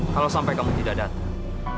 kalau sampai kamu tidak datang